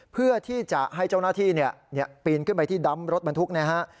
เพื่อที่จะให้เจ้าหน้าที่ปีนขึ้นไปที่ดำรถบรรทุกนะฮะ